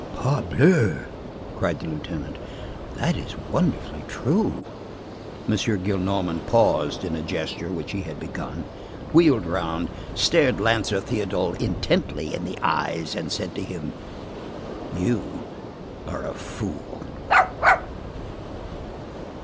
"Parbleu!" cried the lieutenant, "that is wonderfully true." M. Gillenormand paused in a gesture which he had begun, wheeled round, stared Lancer Théodule intently in the eyes, and said to him:— "You are a fool."